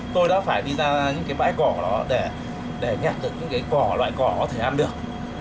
tôi đã phải đi ra những cái bãi cỏ đó để nhạt được những cái cỏ loại cỏ có thể ăn được